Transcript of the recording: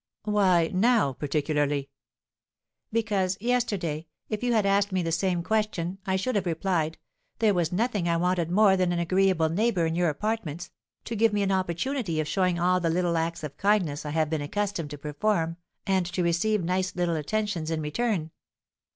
"Why now, particularly?" "Because, yesterday, if you had asked me the same question, I should have replied, there was nothing I wanted more than an agreeable neighbour in your apartments, to give me an opportunity of showing all the little acts of kindness I have been accustomed to perform, and to receive nice little attentions in return."